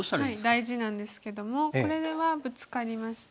大事なんですけどもこれではブツカりまして。